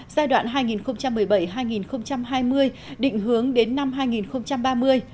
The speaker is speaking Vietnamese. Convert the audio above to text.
giai đoạn hai nghìn một mươi bảy hai nghìn hai mươi định hướng đến năm hai nghìn ba mươi